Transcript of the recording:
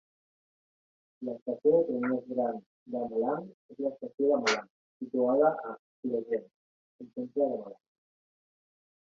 L'estació de tren més gran de Malang és l'Estació de Malang, situada a Klojen, al centre de Malang.